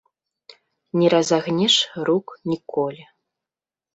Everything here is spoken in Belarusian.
Не разагнеш рук ніколі.